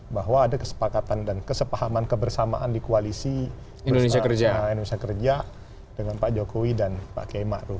bahwa ada kesepakatan dan kesepahaman kebersamaan di koalisi indonesia kerja dengan pak jokowi dan pak kemaru